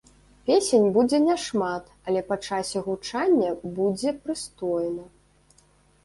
Песень будзе не шмат, але па часе гучання будзе прыстойна.